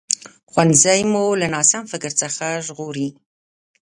ښوونځی مو له ناسم فکر څخه ژغوري